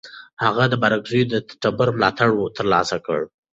هغه د بارکزیو د ټبر ملاتړ ترلاسه کړ.